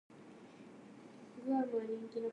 星が夜空に輝いている。